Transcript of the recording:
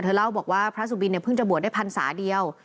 เล่าบอกว่าพระสุบินเนี่ยเพิ่งจะบวชได้พรรษาเดียว